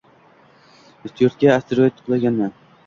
Ustyurtga asteroid qulagan...mi?